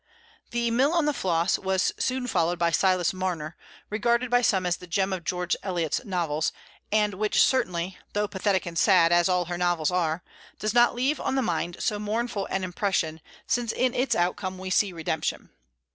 The "Mill on the Floss" was soon followed by "Silas Marner," regarded by some as the gem of George Eliot's novels, and which certainly though pathetic and sad, as all her novels are does not leave on the mind so mournful an impression, since in its outcome we see redemption.